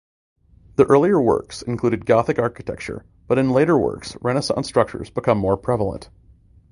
The earlier works included Gothic architecture but in later works Renaissance structures became prevalent.